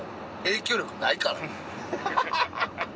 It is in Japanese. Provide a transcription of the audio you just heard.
ハハハハ！